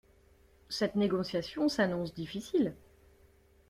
Cette négociation s’annonce difficile.